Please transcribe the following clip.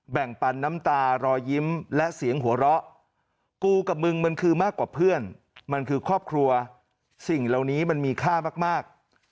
ปันน้ำตารอยยิ้มและเสียงหัวเราะกูกับมึงมันคือมากกว่าเพื่อนมันคือครอบครัวสิ่งเหล่านี้มันมีค่ามาก